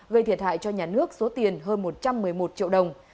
gây thiệt hại cho nhà nước số tiền hơn một trăm một mươi một triệu đồng